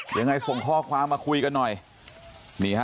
ยังไงส่งข้อความมาคุยกันหน่อยนี่ฮะ